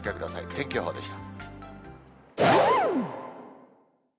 天気予報でした。